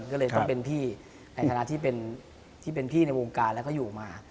ก็เลยต้องเป็นพี่ในฐานะที่เป็นพี่ในวงการแล้วก็อยู่มา